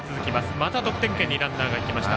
また得点圏にランナーが行きました。